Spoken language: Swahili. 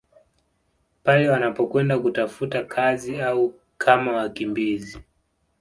Pale wanapokwenda kutafuta kazi au kama wakimbizi